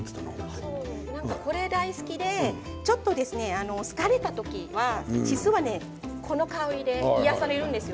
これ大好きでちょっと疲れた時は実はこの香りで癒やされるんですよ。